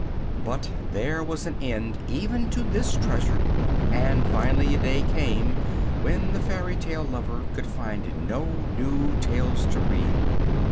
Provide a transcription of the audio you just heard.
But there was an end even to this treasure; and, finally, a day came when the fairy tale lover could find no new tales to read.